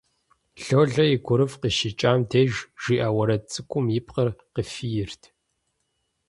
Лолэ и гурыфӀ къыщикӀам деж жиӀэ уэрэд цӀыкӀум и пкъыр къифийрт.